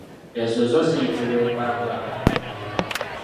Ezo zo ziyitibwa empangalo.